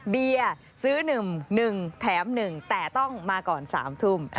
เบียร์ซื้อหนึ่มหนึ่งแถมหนึ่งแต่ต้องมาก่อน๓ทุ่ม